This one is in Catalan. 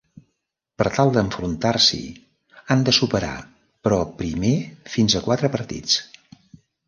Per tal d'enfrontar-s'hi, han de superar però primer fins a quatre partits.